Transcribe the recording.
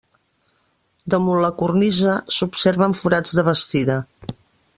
Damunt la cornisa s'observen forats de bastida.